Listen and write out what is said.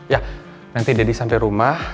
ya nanti deddy sampai rumah